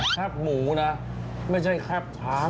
แคปหมูนะไม่ใช่แคปทาง